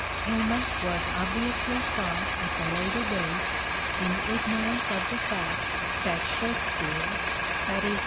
Pay ment was obviously sought at the later dates in ignorance of the fact that Shakespeare (i.e.